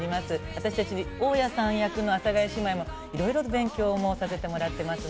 私たち大家さん役の阿佐ヶ谷姉妹もいろいろ勉強もさせてもらっています。